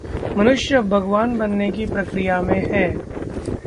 'मनुष्य अब भगवान बनने की प्रक्रिया में है'